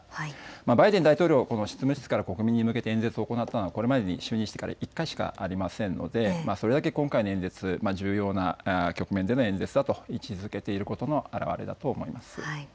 バイデン大統領、執務室から国民に向けて演説を行ったのはこれまでに就任から１回しかありませんのでこれだけ今回の演説、重要な局面での演説だと位置づけていることの表れだと思います。